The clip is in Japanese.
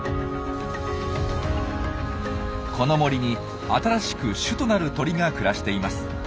この森に新しく種となる鳥が暮らしています。